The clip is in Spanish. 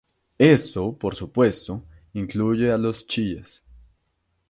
Esto, por supuesto, incluye a los chiíes.